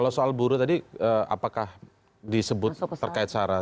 kalau soal buruh tadi apakah disebut terkait sarah